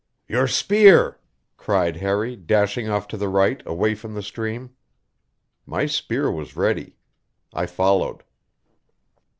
"Your spear!" cried Harry, dashing off to the right, away from the stream. My spear was ready. I followed.